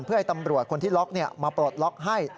เพื่อให้ตำรวจคนที่ล็อกมาปลดล็อกให้